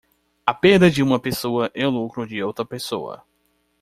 A perda de uma pessoa é o lucro de outra pessoa.